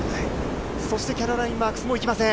そしてキャロライン・マークスもいきません。